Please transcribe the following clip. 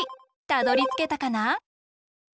たどりつけたかな？